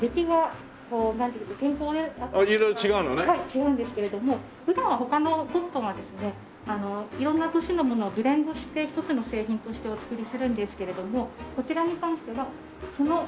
違うんですけれども普段は他のコットンはですね色んな年のものをブレンドして一つの製品としてお作りするんですけれどもこちらに関してはその年の。